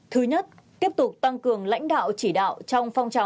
thứ nhất tiếp tục tăng cường lãnh đạo chỉ đạo trong phong trào